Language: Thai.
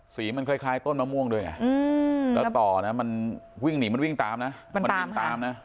สีมันคล้ายคล้ายต้นมะม่วงด้วยอ่ะอืมแล้วต่อนะมันวิ่งหนีมันวิ่งตามนะมันตามค่ะ